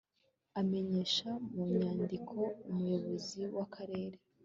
amenyesha mu nyandiko Umuyobozi w Akarere